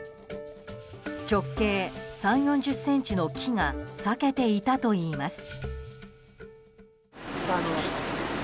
直径３０４０ｃｍの木が裂けていたといいます。